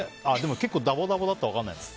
結構ダボダボだったら分からないのか。